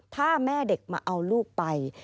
ถ้าแม่เด็กมาเอาลูกไป